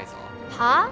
はあ？